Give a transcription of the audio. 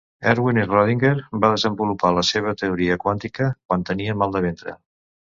Erwin Schroedinger va desenvolupar la seva teoria quàntica quan tenia mal de ventre